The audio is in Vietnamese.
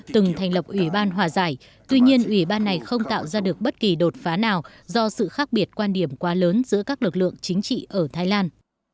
từng thành lập ủy ban hòa giải tuy nhiên ủy ban này không tạo ra được bất kỳ đột phá nào do sự khác biệt quan điểm quá lớn giữa các lực lượng chính trị ở thái lan